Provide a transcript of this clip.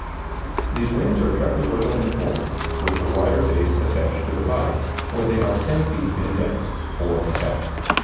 These wings are trapezoidal in form, with the wider base attached to the body, where they are 10 feet in depth (fore and aft).